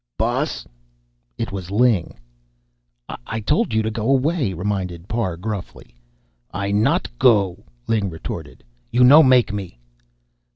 "Boss!" It was Ling. "I told you to go away," reminded Parr gruffly. "I not go," Ling retorted. "You no make me."